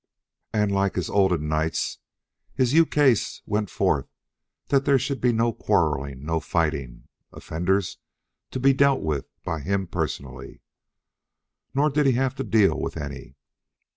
And, like his olden nights, his ukase went forth that there should be no quarrelling nor fighting, offenders to be dealt with by him personally. Nor did he have to deal with any.